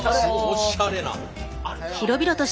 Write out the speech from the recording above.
おしゃれな。